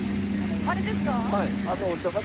あれですか？